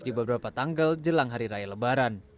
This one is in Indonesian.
di beberapa tanggal jelang hari raya lebaran